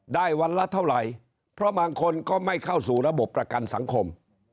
วันละเท่าไหร่เพราะบางคนก็ไม่เข้าสู่ระบบประกันสังคม